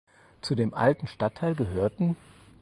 Zu dem alten Stadtteil gehörten